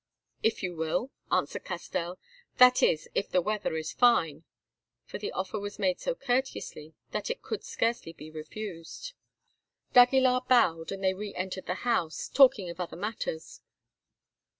"If you will," answered Castell—"that is, if the weather is fine," for the offer was made so courteously that it could scarcely be refused. d'Aguilar bowed, and they re entered the house, talking of other matters.